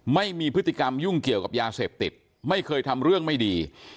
ไม่มีพฤติกรรมยุ่งเกี่ยวกับยาเสพติดไม่เคยทำเรื่องไม่ดี